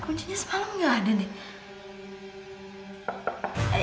kunci nya semalam gak ada nih